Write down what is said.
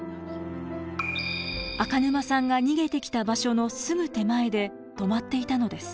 赤沼さんが逃げてきた場所のすぐ手前で止まっていたのです。